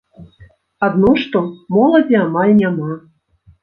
Адно што, моладзі амаль няма.